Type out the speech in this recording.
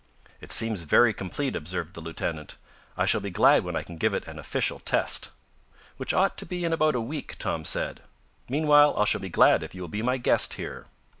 "It seems very complete," observed the lieutenant. "I shall be glad when I can give it an official test." "Which ought to be in about a week," Tom said. "Meanwhile I shall be glad if you will be my guest here."